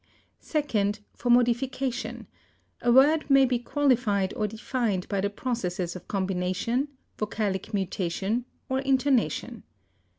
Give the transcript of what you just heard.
Second, for modification, a word may be qualified or defined by the processes of combination, vocalic mutation or intonation.